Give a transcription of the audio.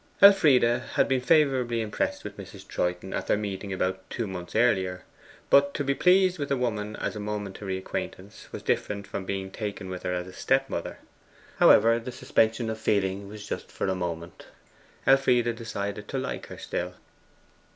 Elfride had been favourably impressed with Mrs. Troyton at their meeting about two months earlier; but to be pleased with a woman as a momentary acquaintance was different from being taken with her as a stepmother. However, the suspension of feeling was but for a moment. Elfride decided to like her still.